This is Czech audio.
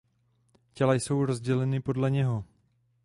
Těla jsou rozděleny podle něho.